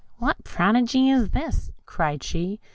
"What prodigy is this?" cried she.